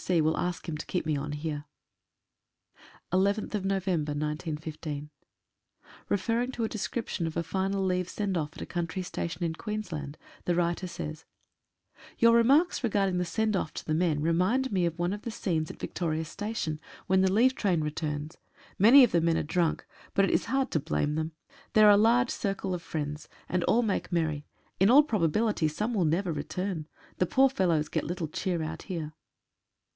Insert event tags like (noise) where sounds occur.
C. will ask him to keep me on here." «■ o (s) 11/11/15. EFERRING to a description of a final leave "send Jt^ off" at a country station in Queensland the writer says: — Your remarks re the "send off" to the men remind one of the scenes at Victoria Station when the leave train returns. Many of the men are drunk, but it is hard to blame them. There are a large circle of friends, and all make merry — in all probability some will never return. The poor fellows get little cheer out here.